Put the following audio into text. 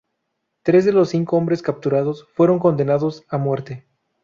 Tres de los cinco hombres capturados fueron condenados a muerte.